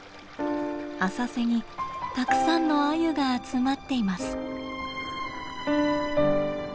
浅瀬にたくさんのアユが集まっています。